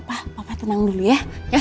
papa tenang dulu ya